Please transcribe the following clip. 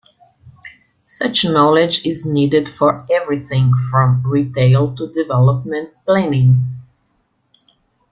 Such knowledge is needed for everything from retail to development planning.